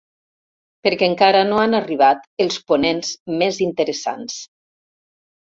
Perquè encara no han arribat els ponents més interessants.